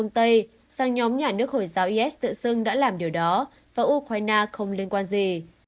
ngoại trưởng nga có lợi cho phương tây rằng nhóm nhà nước hồi giáo is tự xưng đã làm điều đó và ukraine không liên quan gì